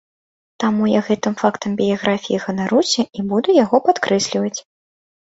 Таму я гэтым фактам біяграфіі ганаруся і буду яго падкрэсліваць.